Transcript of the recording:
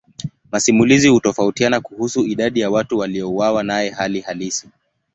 Masimulizi hutofautiana kuhusu idadi ya watu waliouawa naye hali halisi.